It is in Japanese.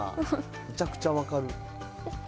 めちゃくちゃ分かる。